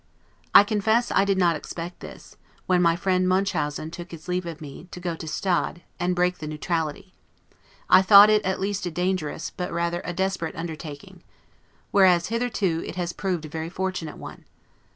I confess I did not expect this, when my friend Munchausen took his leave of me, to go to Stade, and break the neutrality; I thought it at least a dangerous, but rather a desperate undertaking; whereas, hitherto, it has proved a very fortunate one.